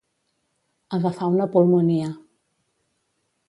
Agafar una pulmonia.